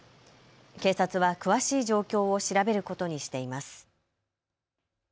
警察は詳しい状況を調べることにしています。